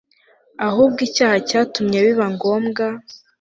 ahubwo icyaha cyatumye biba ngombwa